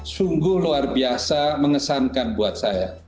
sungguh luar biasa mengesankan buat saya